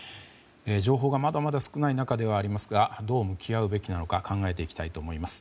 情報がまだまだ少ない中ではありますがどう向き合うべきなのか考えていきたいと思います。